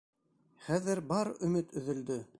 Хәҙер бар өмөт өҙөлдө!